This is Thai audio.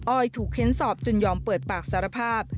อยถูกเค้นสอบจนยอมเปิดปากสารภาพ